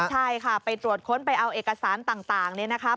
ใช่ค่ะไปตรวจค้นไปเอาเอกสารต่างเนี่ยนะครับ